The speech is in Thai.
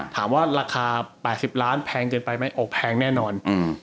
ถามว่าราคา๘๐ล้านแพงเกินไปไหมอกแพงแน่นอน